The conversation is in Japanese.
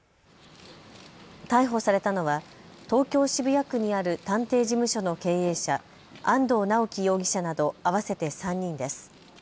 逮捕されたのは東京渋谷区にある探偵事務所の経営者、安藤巨樹容疑者など合わせて３人です。